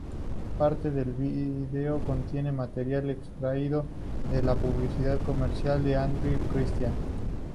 Parte del video contiene material extraído de publicidad comercial de Andrew Christian.